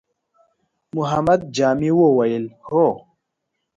محمد جامي وويل: هو!